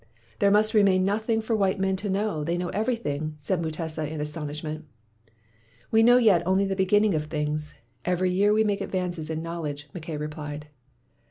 "There must remain nothing for white men to know — they know everything!" said Mutesa in his astonishment. "We know yet only the beginning of things. Every year we make advances in knowledge," Mackay replied.